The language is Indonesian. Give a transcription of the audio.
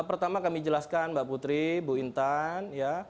pertama kami jelaskan mbak putri ibu intan ya